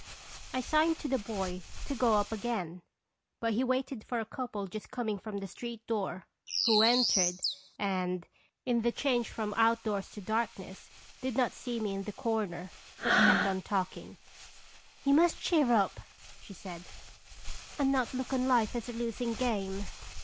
I signed to the boy to go up again ; but he waited for a couple just coming from the street door, who entered, and, in the Beronb orb tDina." 261 change from outdoors to darkness, did not see me in the corner, but kept on talking. "You must cheer up," she said, "and not look on life as a losing game."